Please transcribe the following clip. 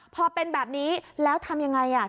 พอเป็นแบบนี้แล้วทำยังไง